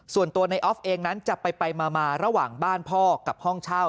ส่วนตัวในออฟเองนั้นจะไปมาระหว่างบ้านพ่อกับห้องเช่า